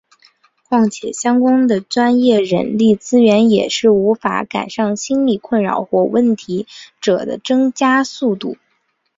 况且相关专业人力资源也无法赶上心理困扰或问题者的增加速度。